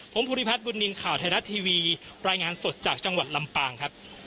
ผมภูริพัฒนบุญนินทร์ข่าวไทยรัฐทีวีรายงานสดจากจังหวัดลำปางครับ